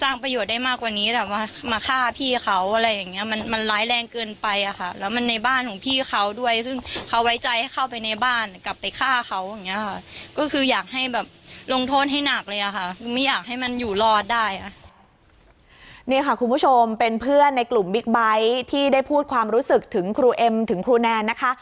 นี่ค่ะคุณผู้ชมเป็นเพื่อนในกลุ่มบิ๊กไบท์ที่ได้พูดความรู้สึกถึงครูเอ็มถึงครูแนนนะคะ